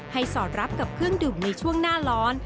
สอดรับกับเครื่องดื่มในช่วงหน้าร้อน